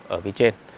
ở phía trên